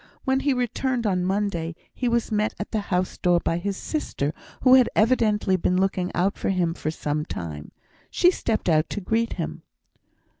When he returned on Monday, he was met at the house door by his sister, who had evidently been looking out for him for some time. She stepped out to greet him.